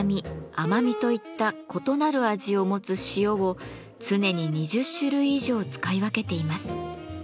甘みといった異なる味を持つ塩を常に２０種類以上使い分けています。